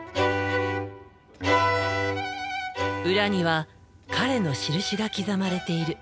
裏には彼の印が刻まれている。